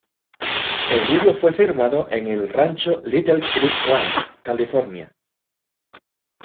El video fue firmado en el rancho Little Creek Ranch, California.